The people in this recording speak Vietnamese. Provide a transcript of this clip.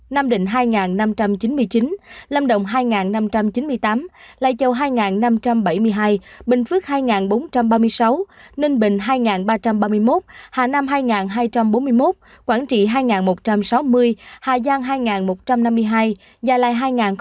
nam định hai năm trăm chín mươi chín lâm động hai năm trăm chín mươi tám lạy châu hai năm trăm bảy mươi hai bình phước hai bốn trăm ba mươi sáu ninh bình hai ba trăm ba mươi một hà nam hai hai trăm bốn mươi một quảng trị hai một trăm sáu mươi hà giang hai một trăm năm mươi hai gia lai hai bảy mươi tám